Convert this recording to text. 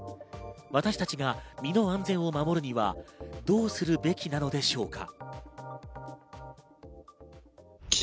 私たちが身の安全を守るには、どうするべきなのでしょうか。